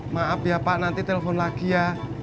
maaf ya pak nanti telepon lagi ya